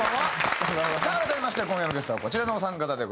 さあ改めまして今夜のゲストはこちらのお三方でございます。